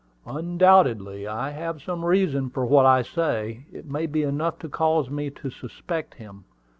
"Undoubtedly I have some reason for what I say. It may be enough to cause me to suspect him.